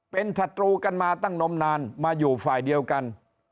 เป็นศัตรูกันมาตั้งนมนานมาอยู่ฝ่ายเดียวกัน